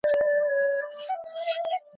ما پرون یو نوی لارښود کتاب ولوست.